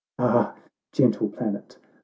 Ah, gentle planet !